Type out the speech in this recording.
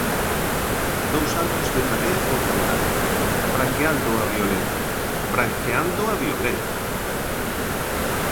Dous anos de cadea por cantar, branqueando a violencia, ¡branqueando a violencia!